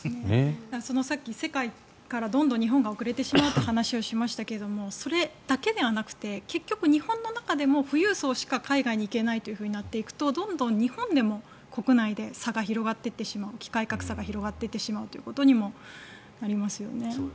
先ほど世界からどんどん日本が遅れてしまうという話をしましたがそれだけではなくて結局、日本の中でも富裕層しか海外に行けないというふうになってしまうとどんどん日本でも国内で機会格差が広がっていってしまうということになりますよね。